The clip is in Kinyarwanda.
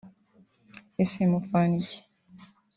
Ese mupfana iki